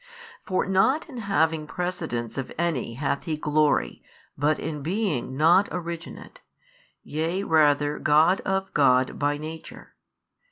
For not in having precedence of any hath He glory but in being not originate, yea rather God of God by Nature.